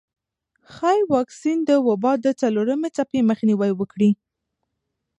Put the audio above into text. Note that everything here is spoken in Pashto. ښايي واکسین د وبا د څلورمې څپې مخنیوی وکړي.